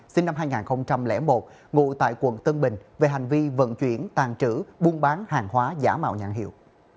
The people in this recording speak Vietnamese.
sinh năm hai nghìn một ngụ tại quận tân bình về hành vi vận chuyển tàn trữ buôn bán hàng hóa giả mạo nhãn hiệu